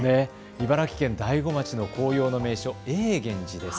茨城県大子町の紅葉の名所、永源寺です。